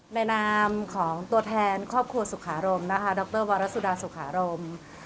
นามของตัวแทนครอบครัวสุขารมนะคะดรวรสุดาสุขารม